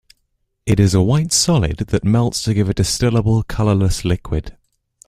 It is a white solid that melts to give a distillable colourless liquid.